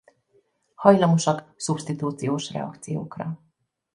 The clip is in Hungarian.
Hajlamosak szubsztitúciós reakciókra.